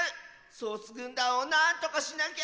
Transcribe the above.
ソースぐんだんをなんとかしなきゃ！